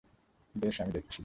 বেশ, আমি দেখছি।